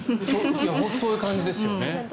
本当にそういう感じですよね。